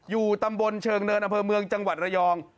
อยู่ตำบลเชิงเนินอำเภอเมืองจังหวัดระยอง